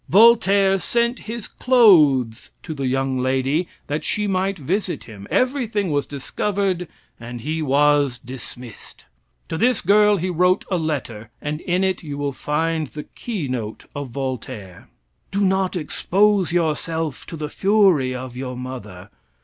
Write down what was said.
Voltaire sent his clothes to the young lady that she might visit him. Everything was discovered and he was dismissed. To this girl he wrote a letter, and in it you will find the keynote of Voltaire: "Do not expose yourself to the fury of your mother.